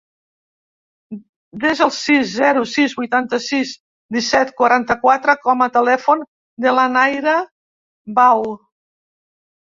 Desa el sis, zero, sis, vuitanta-sis, disset, quaranta-quatre com a telèfon de la Naira Bau.